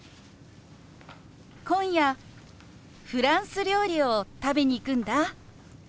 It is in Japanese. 今夜フランス料理を食べに行くんだ。